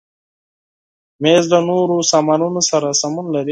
مېز له نورو سامانونو سره سمون لري.